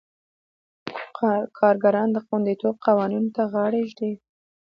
کارګران د خوندیتوب قوانینو ته غاړه ږدي.